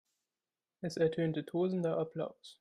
Es ertönte tosender Applaus.